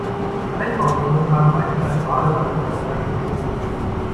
Altbauwohnungen haben meistens eine Badewanne statt einer Dusche.